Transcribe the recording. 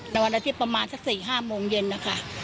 ในวันที่ประมาณสัก๔๕โมงเย็นนะคะ